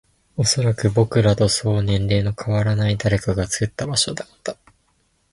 おそらく、僕らとそう年齢の変わらない誰かが作った場所だった